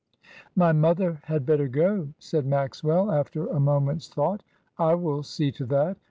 "My mother had better go," said Maxwell, after a moment's thought; "I will see to that.